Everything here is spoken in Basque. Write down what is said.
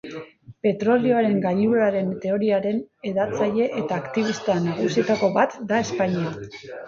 Petrolioaren gailurraren teoriaren hedatzaile eta aktibista nagusietako bat da Espainian.